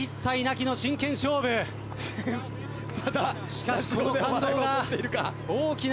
しかしこの感動が大きな